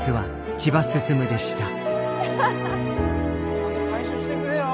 ちゃんと回収してくれよ